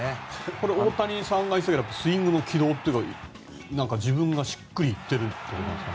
これ、大谷さんが言ってたけど、スイングの軌道が自分がしっくりいっているということですか。